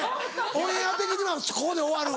オンエア的にはここで終わる。